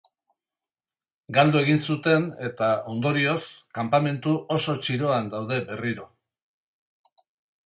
Galdu egin zuten, eta, ondorioz, kanpamentu oso txiroan daude berriro.